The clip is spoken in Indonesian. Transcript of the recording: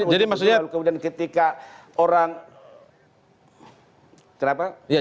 jadi maksudnya tidak bisa diproses dulu di mkd